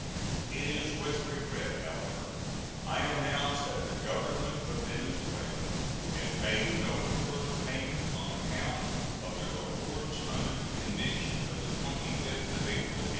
It is with regret, however, I announce that the Government of Venezuela has made no further payments on account of the awards under the convention of the 25th of April, 1866.